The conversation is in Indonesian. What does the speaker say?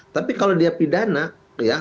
tapi kalau dia pidana